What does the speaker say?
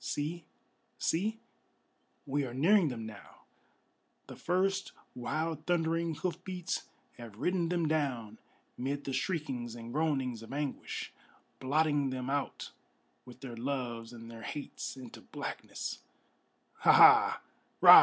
See, see, we are nearing them now; the first wild thundering hoof beats Have ridden them down, 'mid the shriekings and groanings of anguish, Blotting them out with their loves and their hates into blackness. Ha! Ha!